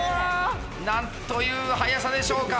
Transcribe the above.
なんという速さでしょうか。